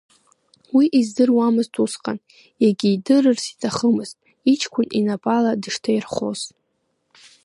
Уи издырамызт усҟан, иагьидырырц иҭахымызт, иҷкәын инапала дышҭаирхоз.